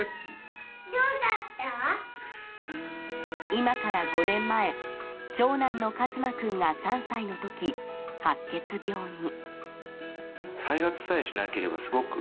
今から５年前長男の一馬君が３歳の時、白血病に。